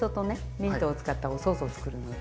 ミントを使ったおソースをつくるので。